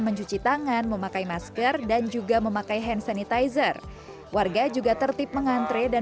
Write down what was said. mencuci tangan memakai masker dan juga memakai hand sanitizer warga juga tertip mengantre dan